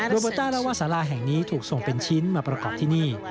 โบเบอร์ต้าเล่าว่าสาราแห่งนี้ถูกส่งเป็นชิ้นมาประกอบที่นี่